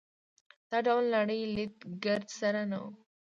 دا ډول نړۍ لید ګرد سره نه وو.